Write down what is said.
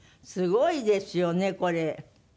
すごいですよねこれ。